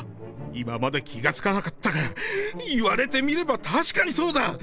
「今まで気がつかなかったが、言われてみればたしかにそうだ」。